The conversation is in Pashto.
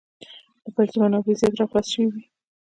د پیسو منابع زیات را خلاص شوي وې.